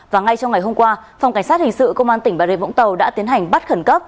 và ngay trong ngày hôm qua phòng cảnh sát hình sự công an tỉnh bà rê vũng tàu đã tiến hành bắt khẩn cấp